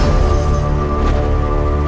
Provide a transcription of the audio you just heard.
aku akan menangkanmu